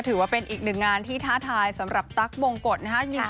ถือว่าเป็นอีกหนึ่งงานที่ท้าทายสำหรับตั๊กบงกฎนะครับ